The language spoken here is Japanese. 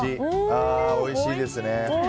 ああ、おいしいですね。